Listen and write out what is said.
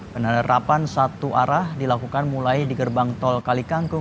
penerapan satu arah dilakukan mulai di gerbang tol kalikangkung